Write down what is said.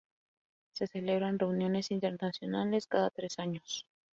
Se celebran reuniones internacionales cada tres años.